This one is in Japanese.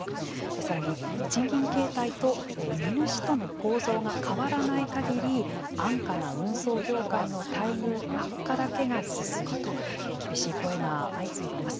さらに賃金形態と荷主との構造が変わらないかぎり安価な運送業界の待遇悪化だけが進むと厳しい声が相次いでいます。